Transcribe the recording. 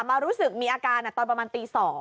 รู้สึกมีอาการตอนประมาณตี๒